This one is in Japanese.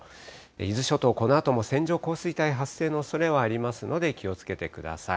伊豆諸島、このあとも線状降水帯発生のおそれはありますので気をつけてください。